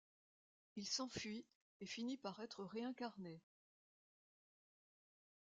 Il s'enfuit et finit par être réincarné.